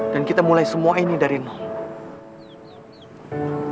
dan kita mulai semua ini dari nol